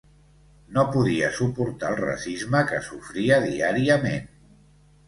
No podia suportar el racisme que sofria diàriament.